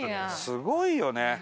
すごいよね。